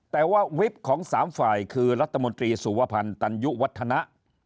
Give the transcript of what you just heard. แต่ว่าวิบของ๓ฝ่ายคือรัฐมนตรีสุวพันธ์ตันยุวัฒนะ